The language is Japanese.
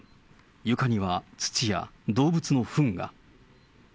床には土や動物のふんが。